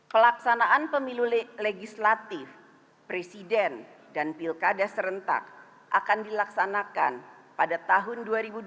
pelaksanaan pemilu legislatif presiden dan pilkada serentak akan dilaksanakan pada tahun dua ribu dua puluh